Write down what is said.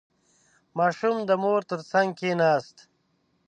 • ماشوم د مور تر څنګ کښېناست.